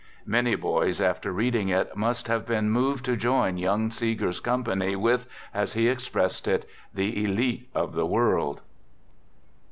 Many boys after reading it must have been moved to join young Seeger's company with, as he expressed it, " the elite of the world."